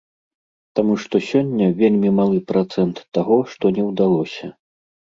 Таму што сёння вельмі малы працэнт таго што не ўдалося.